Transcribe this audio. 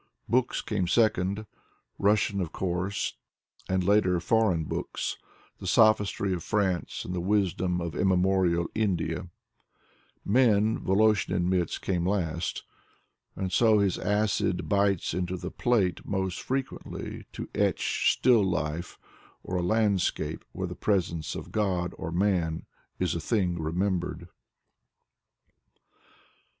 Books came second: Russian, of course, and later foreign books: the sophistry of France and the wisdom of immemorial India. Men, Voloshin admits, came last. And so his acid bites into the plate most frequently to etch still life, or a landscape where the presence of God or man is a thing remembered.